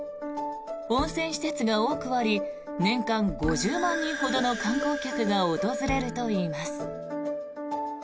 温泉施設が多くあり年間５０万人ほどの観光客が訪れるといいます。